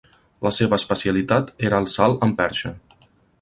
La seva especialitat era el salt amb perxa.